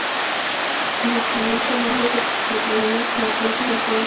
En español su nombre se traduciría como plaza del Pueblo.